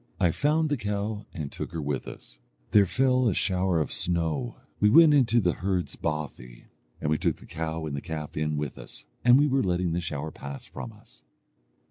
I found the cow, and took her with us. There fell a shower of snow. We went into the herd's bothy, and we took the cow and the calf in with us, and we were letting the shower pass from us.